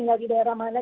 tinggal di daerah mana